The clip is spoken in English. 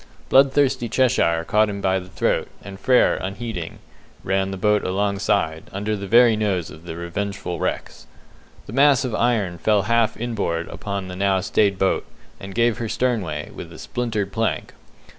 Bloodthirsty Cheshire caught him by the throat, and Frere, unheeding, ran the boat alongside, under the very nose of the revengeful Rex. The mass of iron fell half in board upon the now stayed boat, and gave her sternway, with a splintered plank.